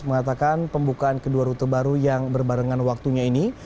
mengatakan pembukaan kedua rute baru yang berbarengan waktunya ini